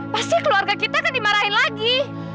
pasti keluarga kita akan dimarahin lagi